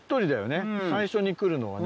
最初に来るのはね。